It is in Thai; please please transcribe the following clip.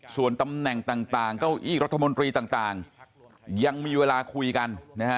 ส่วนตำแหน่งต่างเก้าอี้รัฐมนตรีต่างยังมีเวลาคุยกันนะฮะ